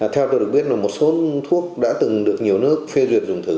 theo tôi được biết là một số thuốc đã từng được nhiều nước phê duyệt dùng thử